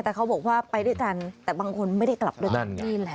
แต่เขาบอกว่าไปด้วยกันแต่บางคนไม่ได้กลับด้วยกันนี่แหละ